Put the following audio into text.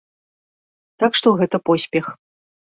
Так што, гэта поспех.